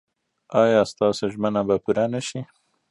ایا ستاسو ژمنه به پوره نه شي؟